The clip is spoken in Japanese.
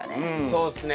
そうっすね。